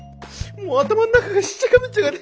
もう頭ん中がしっちゃかめっちゃかで。